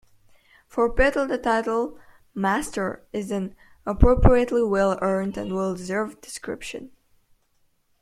For Pittel, the title "master" is an appropriately well-earned and well-deserved description.